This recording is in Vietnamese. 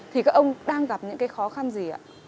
thì các ông đang gặp những cái khó khăn gì ạ